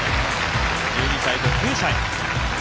１２歳と９歳。